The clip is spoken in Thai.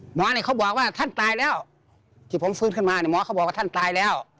หมอเนี่ยเขาบอกว่าท่านตายแล้วที่ผมฟื้นขึ้นมาเนี่ยหมอเขาบอกว่าท่านตายแล้ว